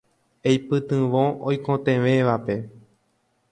Eipytyvõ oikotevẽvape.